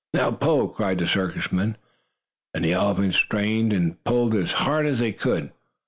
"Now, pull!" cried the circus men, and the elephants strained and pulled as hard as they could.